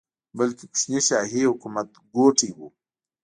بلکې کوچني شاهي حکومت ګوټي وو.